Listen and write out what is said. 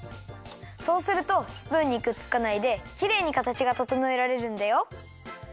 そうするとスプーンにくっつかないできれいにかたちがととのえられるんだよ。